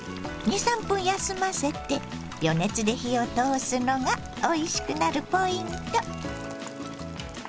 ２３分間休ませて余熱で火を通すのがおいしくなるポイント。